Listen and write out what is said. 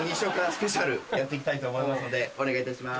スペシャルやっていきたいと思いますのでお願いいたします。